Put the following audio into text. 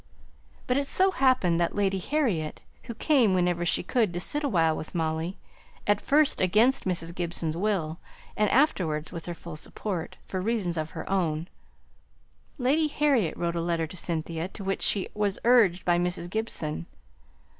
But it so happened that Lady Harriet, who came whenever she could to sit awhile with Molly, at first against Mrs. Gibson's will, and afterwards with her full consent, for reasons of her own, Lady Harriet wrote a letter to Cynthia, to which she was urged by Mrs. Gibson.